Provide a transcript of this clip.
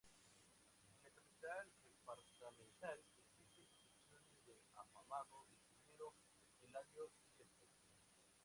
En la capital departamental existen construcciones del afamado Ing. Eladio Dieste.